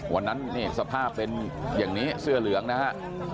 วันนั้นนี่สภาพเป็นอย่างนี้เสื้อเหลืองนะฮะ